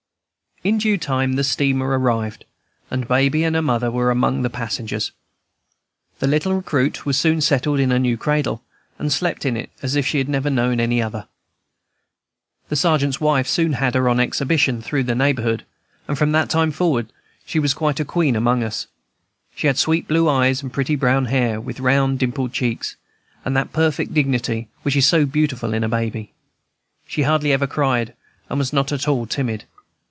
In due time the steamer arrived, and Baby and her mother were among the passengers. The little recruit was soon settled in her new cradle, and slept in it as if she had never known any other. The sergeant's wife soon had her on exhibition through the neighborhood, and from that time forward she was quite a queen among us. She had sweet blue eyes and pretty brown hair, with round, dimpled cheeks, and that perfect dignity which is so beautiful in a baby. She hardly ever cried, and was not at all timid.